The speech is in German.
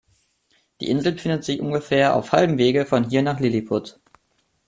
Die Insel befindet sich ungefähr auf halbem Wege von hier nach Liliput.